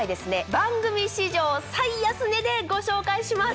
番組史上最安値でご紹介します！